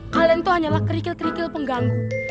kalian itu hanyalah kerikil kerikil pengganggu